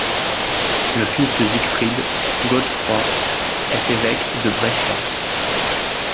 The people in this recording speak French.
Le fils de Siegfried, Godefroy est évêque de Brescia.